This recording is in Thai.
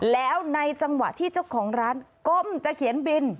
แล้วในจังหวะที่เจ้าของร้านก้มจะเขียนบิน